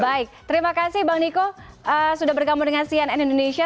baik terima kasih bang niko sudah bergabung dengan cnn indonesia